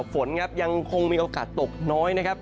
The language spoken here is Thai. ประเทศไทยของเราฝนยังคงมีโอกาสตกน้อยนะครับ